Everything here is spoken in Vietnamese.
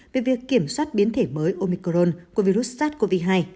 về việc kiểm soát biến thể mới omicron của virus sars cov hai